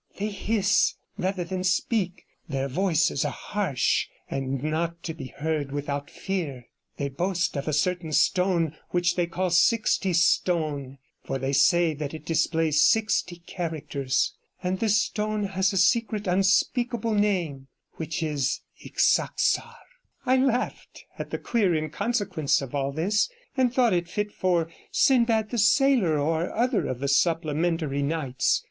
They hiss rather than speak; their voices are harsh, and not to be heard without fear. They boast of a certain stone, which they call Sixtystone; for they say that it displays sixty characters. And this stone has a secret unspeakable name; which is Ixaxar.' I laughed at the queer inconsequence of all this, and thought it fit for 'Sinbad the Sailor,' or other of the supplementary Nights.